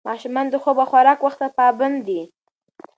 ماشومان د خوب او خوراک وخت ته پابند دي.